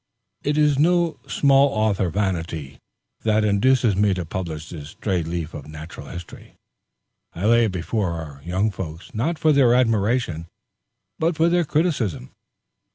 It is no small author vanity that induces me to publish this stray leaf of natural history. I lay it before our young folks, not for their admiration, but for their criticism.